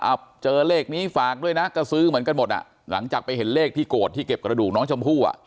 เจอเลขนี้ฝากด้วยนะก็ซื้อเหมือนกันหมดอ่ะหลังจากไปเห็นเลขที่โกรธที่เก็บกระดูกน้องชมพู่อ่ะ